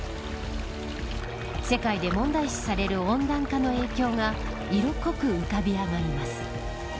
世界で問題視される温暖化の影響が色濃く浮かび上がります。